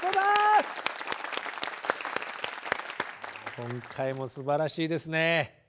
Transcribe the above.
今回もすばらしいですね。